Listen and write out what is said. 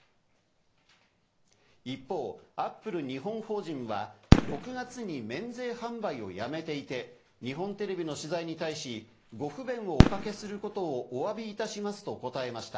一方、アップル日本法人は６月に免税販売をやめていて、日本テレビの取材に対し、ご不便をおかけすることをお詫びいたしますと答えました。